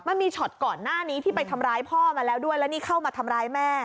มันมีหน้านี้ที่ไปทำลายพ่อมาแล้วด้วยและนี่เข้ามาทำลายแม่